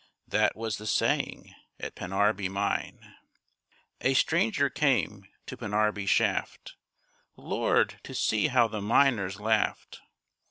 That was the saying at Pennarby mine. A stranger came to Pennarby shaft. Lord, to see how the miners laughed!